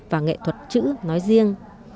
và nghệ thuật chữ nói riêng